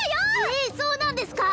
ええっそうなんですか！？